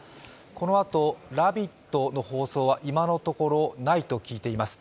このあと「ラヴィット！」の放送は今のところないと聞いています。